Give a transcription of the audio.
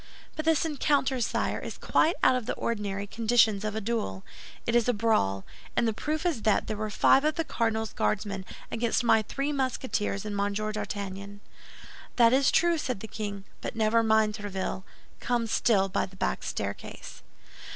"But this encounter, sire, is quite out of the ordinary conditions of a duel. It is a brawl; and the proof is that there were five of the cardinal's Guardsmen against my three Musketeers and Monsieur d'Artagnan." "That is true," said the king; "but never mind, Tréville, come still by the back staircase."